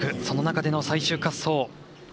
その中での最終滑走。